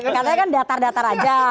katanya kan datar datar aja